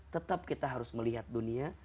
tetap kita harus melihat dunia